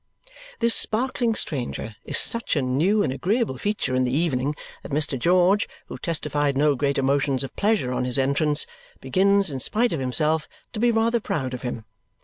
This sparkling stranger is such a new and agreeable feature in the evening that Mr. George, who testified no great emotions of pleasure on his entrance, begins, in spite of himself, to be rather proud of him.